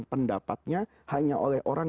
pendapatnya hanya oleh orang